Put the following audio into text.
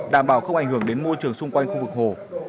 đảm bảo không ảnh hưởng đến môi trường xung quanh khu vực hồ